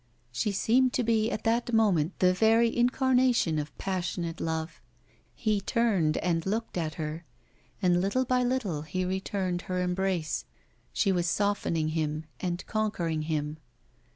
She seemed to be at that moment the very incarnation of passionate love. He turned and looked at her, and little by little he returned her embrace; she was softening him and conquering him.